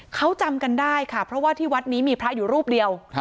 เขาจำกันได้ค่ะเพราะว่าที่วัดนี้มีพระอยู่รูปเดียว